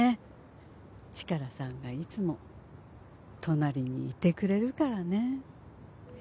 チカラさんがいつも隣にいてくれるからね。